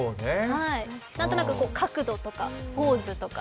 なんとなく角度とかポーズとか。